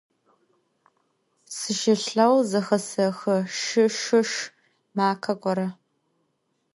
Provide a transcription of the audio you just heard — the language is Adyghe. Sışılheu zexesexı şşı - şşışş makhe gore.